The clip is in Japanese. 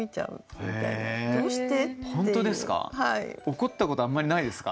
怒ったことあんまりないですか？